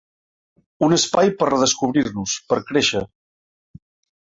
Un espai per redescobrir-nos, per créixer.